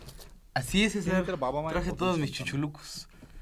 তিনি তার বাবা-মায়ের প্রথম সন্তান।